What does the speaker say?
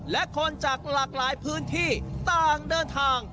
และคนจากหลากหลายพื้นที่ต่างเดินทาง